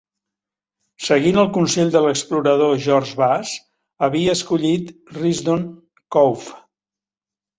Seguint el consell de l'explorador George Bass, havia escollit Risdon Cove.